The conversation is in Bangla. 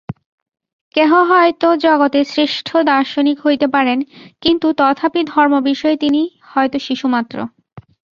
কেহ হয়তো জগতে শ্রেষ্ঠ দার্শনিক হইতে পারেন, কিন্তু তথাপি ধর্ম-বিষয়ে তিনি হয়তো শিশুমাত্র।